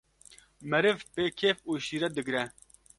meriv pê kêf û şîret digre.